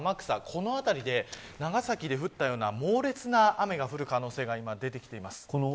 この辺りで長崎で降ったような猛烈な雨が降る可能性が今出てきています。